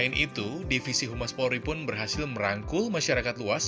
selain itu divisi humas polri pun berhasil merangkul masyarakat luas